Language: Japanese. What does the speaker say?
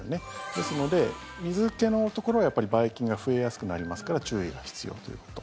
ですので、水気のところはやっぱりばい菌が増えやすくなりますから注意が必要ということ。